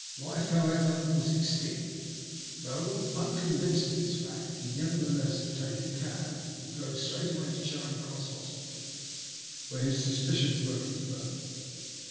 Life, however, was extinct. Though eon vinced of this fact, he nevertheless obtained a cab and drove straightway to Charing Cross Hospital, where his suspicions were confirmed.